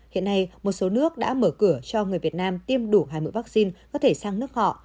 hiện nay một số nước đã mở cửa cho người việt nam tiêm đủ hai mũi vaccine có thể sang nước họ